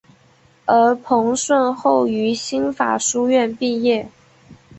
而彭顺后于新法书院毕业。